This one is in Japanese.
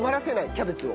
キャベツを。